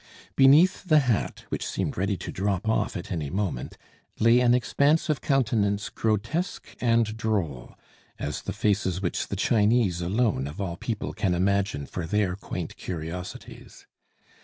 Beneath the hat, which seemed ready to drop off at any moment, lay an expanse of countenance grotesque and droll, as the faces which the Chinese alone of all people can imagine for their quaint curiosities.